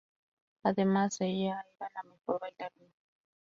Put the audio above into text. Además, ella era la "mejor bailarina".